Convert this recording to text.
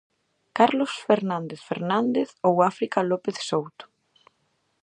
Carlos Fernández Fernández ou África López Souto.